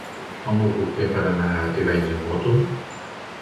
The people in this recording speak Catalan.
Com ho puc fer per anar a Tivenys amb moto?